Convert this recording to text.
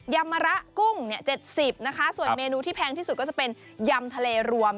ำมะระกุ้ง๗๐นะคะส่วนเมนูที่แพงที่สุดก็จะเป็นยำทะเลรวม